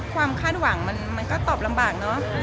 คาดหวังมันก็ตอบลำบากเนอะ